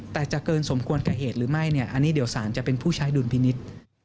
แต่จะเกินสมควรแก่เหตุหรือไม่เนี่ยอันนี้เดี๋ยวสารจะเป็นผู้ใช้ดุลพินิษฐ์